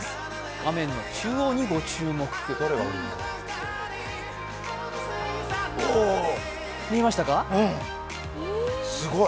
画面の中央にご注目ください。